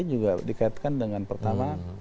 eksepsional tadi juga dikaitkan dengan pertama